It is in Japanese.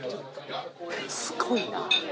すごいな。